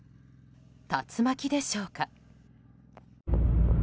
竜巻でしょうか。